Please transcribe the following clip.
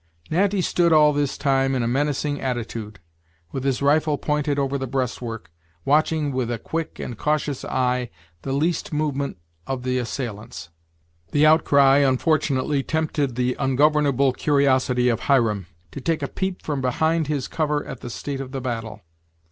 Natty stood all this time in a menacing attitude, with his rifle pointed over the breastwork, watching with a quick and cautions eye the least movement of the assail ants. The outcry unfortunately tempted the ungovernable curiosity of Hiram to take a peep from behind his cover at the state of the battle.